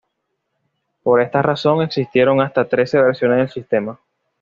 Por esta razón, existieron hasta trece versiones del sistema.